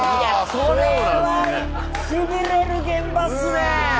それはシビれる現場っすね！